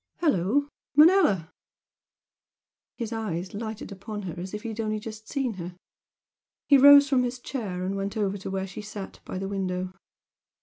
Hello, Manella!" His eyes lighted upon her as if he had only just seen her. He rose from his chair and went over to where she sat by the window.